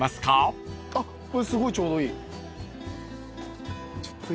あっすごいちょうどいい。